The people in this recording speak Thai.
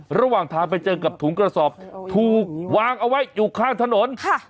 ระหว่างทางไปเจอกับถุงกระสอบถูกวางเอาไว้อยู่ข้างถนน